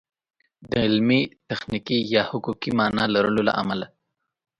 د علمي، تخنیکي یا حقوقي مانا لرلو له امله